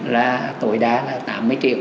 là tối đa là tám mươi triệu